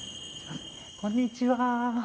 こんにちは。